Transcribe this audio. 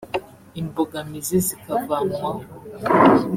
imbogamizi zikavanwaho